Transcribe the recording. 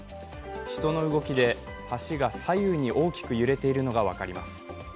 人の動きで橋が左右に大きく揺れているのが分かります。